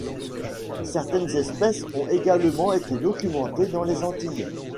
Certaines espèces ont également été documentées dans les Antilles.